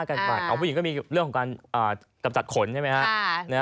ผู้หญิงก็มีเรื่องของการกำจัดขนใช่ไหมฮะ